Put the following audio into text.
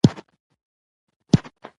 ـ چې نه کا دادونه بانه کا مېړونه.